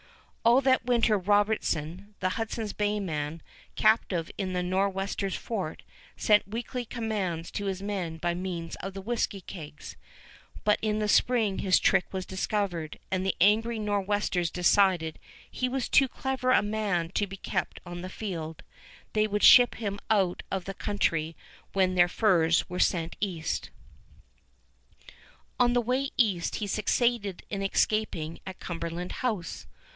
All that winter Robertson, the Hudson's Bay man, captive in the Nor'westers' fort, sent weekly commands to his men by means of the whisky kegs; but in the spring his trick was discovered, and the angry Nor'westers decided he was too clever a man to be kept on the field. They would ship him out of the country when their furs were sent east. On the way east he succeeded in escaping at Cumberland House.